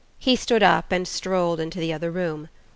He stood up and strolled into the other room.